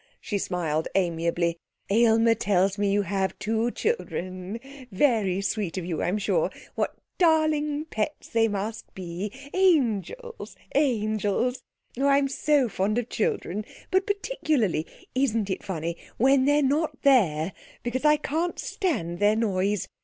She smiled amiably. 'Aylmer tells me you have two children; very sweet of you, I'm sure. What darling pets they must be! Angels! Angels! Oh, I'm so fond of children! But, particularly isn't it funny? when they're not there, because I can't stand their noise.